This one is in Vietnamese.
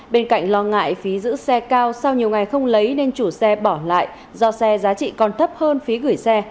bên cạnh lo ngại phí giữ xe cao sau nhiều ngày không lấy nên chủ xe bỏ lại do xe giá trị còn thấp hơn phí gửi xe